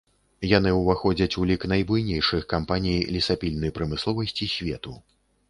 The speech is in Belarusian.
Яны ўваходзяць у лік найбуйнейшых кампаній лесапільны прамысловасці свету.